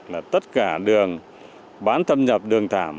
là tất cả đường bán thâm nhập đường thảm